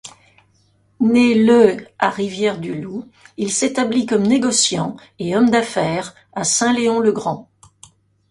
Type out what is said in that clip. Né le à Rivière-du-Loup, il s'établit comme négociant et homme d'affaires à Saint-Léon-le-Grand.